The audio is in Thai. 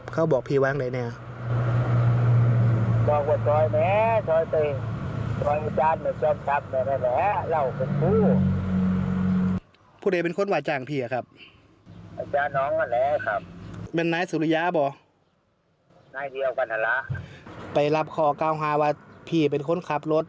เขาบอกพี่ว่าอย่างไรนะ